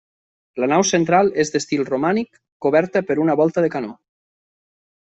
La nau central és d'estil romànic, coberta per una volta de canó.